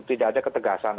tidak ada ketegasan